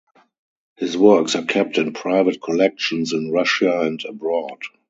His works are kept in private collections in Russia and abroad.